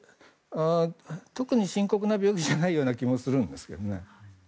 特に深刻な病気じゃないような気もするんですけどね。